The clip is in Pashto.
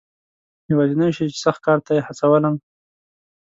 یوازنی شی چې سخت کار ته یې هڅولم.